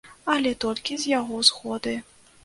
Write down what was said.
Але толькі з яго згоды.